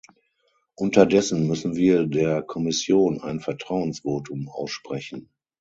Unterdessen müssen wir der Kommission ein Vertrauensvotum aussprechen.